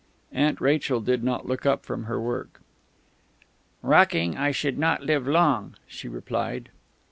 Aunt Rachel did not look up from her work. "Rocking, I should not live long," she replied.